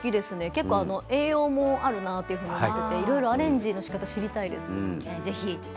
結構栄養もあるなと思っていろいろとアレンジのしかたを知りたいです。